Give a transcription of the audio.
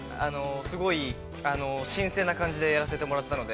すごい新鮮な感じでやらせてもらったので。